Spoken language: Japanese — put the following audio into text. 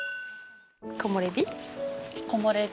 木漏れ日？